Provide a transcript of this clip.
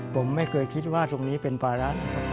ผมไม่เคยคิดว่าตรงนี้เป็นภาระนะครับ